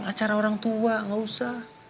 acara orang tua gak usah